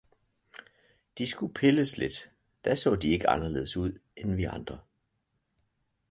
De skulle pilles lidt, da så de ikke anderledes ud, end vi andre.